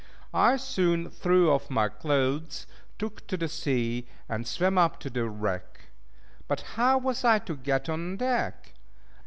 I soon threw off my clothes, took to the sea, and swam up to the wreck. But how was I to get on deck?